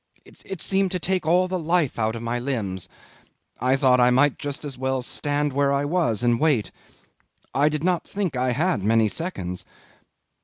It seemed to take all life out of my limbs. I thought I might just as well stand where I was and wait. I did not think I had many seconds.